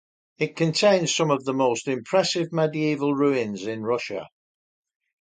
It contains some of the most impressive medieval ruins in Russia.